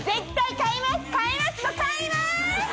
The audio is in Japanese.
買います！